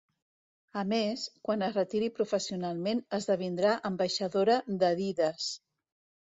A més, quan es retiri professionalment esdevindrà ambaixadora d'Adidas.